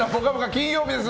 金曜日です。